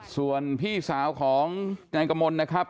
ส่วนพี่สาวของนายกมลนะครับ